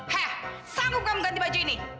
hah sanggup kamu ganti baju ini